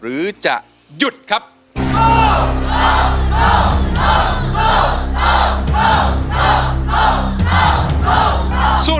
อเรนนี่มันยากสำหรับล้าน